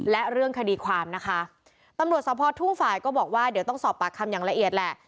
และเรื่องคดีความนะคะตำรวจสภทุ่งฝ่ายก็บอกว่าเดี๋ยวต้องสอบปากคำอย่างละเอียดแหละ